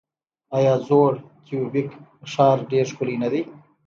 آیا زوړ کیوبیک ښار ډیر ښکلی نه دی؟